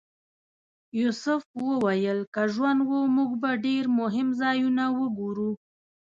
یوسف وویل که ژوند و موږ به ډېر مهم ځایونه وګورو.